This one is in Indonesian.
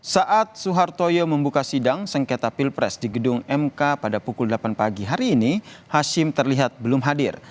saat suhartoyo membuka sidang sengketa pilpres di gedung mk pada pukul delapan pagi hari ini hashim terlihat belum hadir